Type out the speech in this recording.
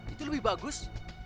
itu lebih bagus